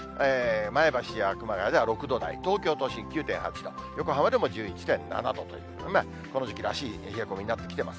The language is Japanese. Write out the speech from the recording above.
前橋や熊谷では６度台、東京都心９．８度、横浜でも１１．７度ということで、この時期らしい冷え込みになってきてます。